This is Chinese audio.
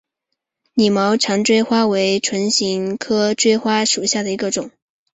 拟长毛锥花为唇形科锥花属下的一个种。